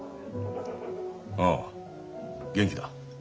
ああ元気だ。